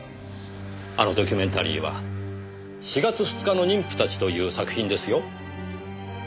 あのドキュメンタリーは『四月二日の妊婦たち』という作品ですよ。